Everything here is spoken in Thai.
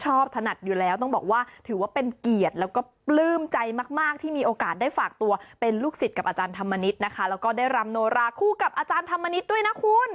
ถนัดอยู่แล้วต้องบอกว่าถือว่าเป็นเกียรติแล้วก็ปลื้มใจมากมากที่มีโอกาสได้ฝากตัวเป็นลูกศิษย์กับอาจารย์ธรรมนิษฐ์นะคะแล้วก็ได้รำโนราคู่กับอาจารย์ธรรมนิษฐ์ด้วยนะคุณ